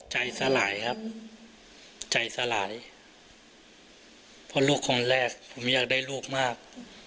ใจสลายครับใจสลายเพราะลูกคนแรกผมอยากได้ลูกมาก